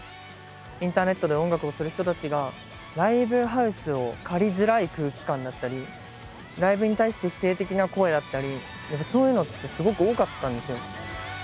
インターネットで音楽をする人たちがライブハウスを借りづらい空気感だったりライブに対して否定的な声だったりやっぱそういうのってすごく多かったんですよ。